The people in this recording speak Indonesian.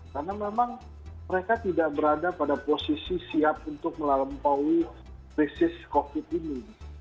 karena memang mereka tidak berada pada posisi siap untuk melalui krisis covid sembilan belas ini